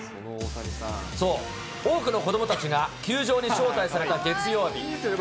そう、多くの子どもたちが球場に招待された月曜日。